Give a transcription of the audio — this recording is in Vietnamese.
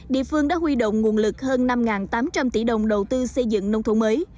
địa phương đã huy động nguồn lực hơn năm tám trăm linh tỷ đồng đầu tư xây dựng nông thôn mới